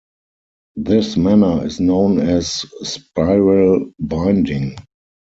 This manner is known as spiral binding.